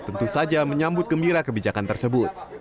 tentu saja menyambut gembira kebijakan tersebut